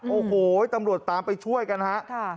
โอ้โหตำรวจตามไปช่วยกันฮะ